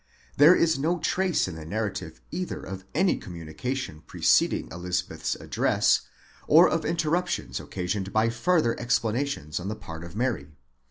There is no trace in the narrative either of any communication preceding Elizabeth's address, or of interruptions occasioned by farther explanations on the part of Mary.